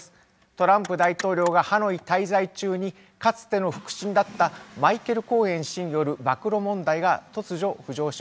トランプ大統領がハノイ滞在中にかつての腹心だったマイケル・コーエン氏による暴露問題が突如浮上しました。